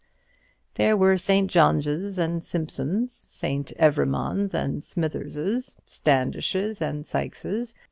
There were St. Johns and Simpsons, St. Evremonds and Smitherses, Standishes and Sykeses.